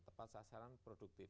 tepat sasaran produktif